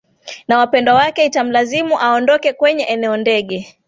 na wapendwa wake itamlazimu aondoke kwenye eneo ndege